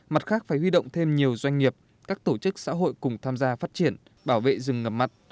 mặt khác phải huy động thêm nhiều doanh nghiệp các tổ chức xã hội cùng tham gia phát triển bảo vệ rừng ngập mặn